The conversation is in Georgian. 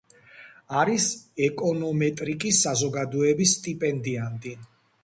არის ეკონომეტრიკის საზოგადოების სტიპენდიანტი.